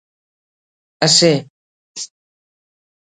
اسے